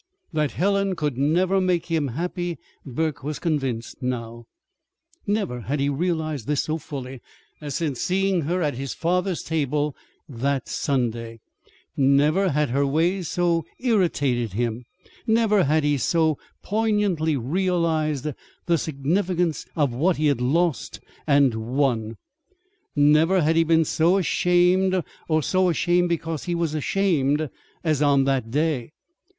That Helen could never make him happy Burke was convinced now. Never had he realized this so fully as since seeing her at his father's table that Sunday. Never had her "ways" so irritated him. Never had he so poignantly realized the significance of what he had lost and won. Never had he been so ashamed or so ashamed because he was ashamed as on that day.